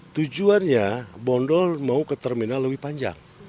tujuannya bondol mau ke terminal lebih panjang